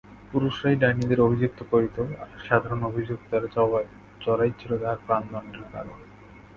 পুরুষরাই ডাইনীদের অভিযুক্ত করিত, আর সাধারণত অভিযুক্তার জরাই ছিল তাহার প্রাণদণ্ডের কারণ।